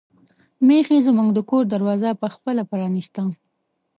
میښې زموږ د کور دروازه په خپله پرانیسته.